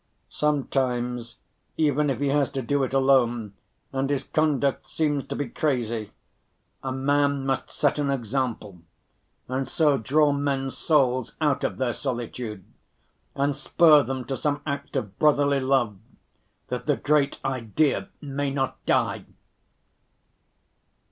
Sometimes even if he has to do it alone, and his conduct seems to be crazy, a man must set an example, and so draw men's souls out of their solitude, and spur them to some act of brotherly love, that the great idea may not die."